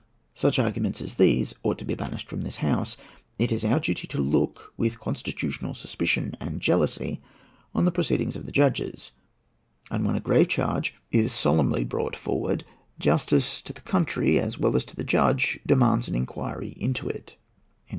Such arguments as those ought to be banished from this House. It is our duty to look, with constitutional suspicion on jealousy, on the proceedings of the judges; and, when a grave charge is solemnly brought forward, justice to the country, as well as to the judge, demands an inquiry into it."